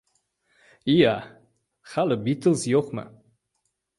— Iya, hali "Bitlz" yo‘qmi?